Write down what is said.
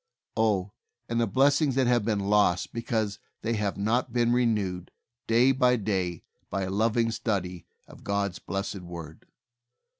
Oh, the blessings that have been lost because they have not been renewed day by day by a loving study of God's blessed Word